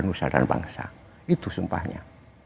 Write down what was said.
nusadar bangsa itu sumpahnya